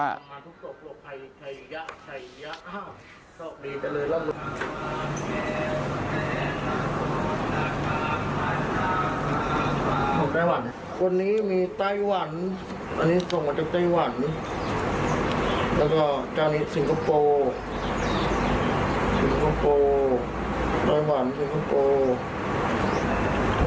อันนี้ส่งมาจากเจ้าหวันจานิสซิงคโปร์จัวหวันซิงคโปร์